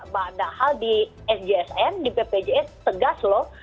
padahal di sjsn di bpjs tegas loh